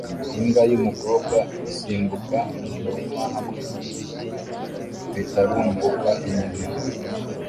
imbwa yumukobwa isimbuka mumurima hamwe nibiti bitarumbuka inyuma